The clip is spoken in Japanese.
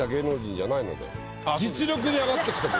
実力で上がってきてる。